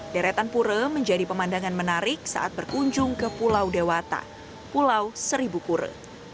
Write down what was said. deretan pura menjadi pemandangan menarik saat berkunjung ke pulau dewata pulau seribu pura